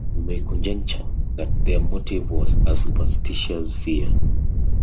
We may conjecture that their motive was a superstitious fear.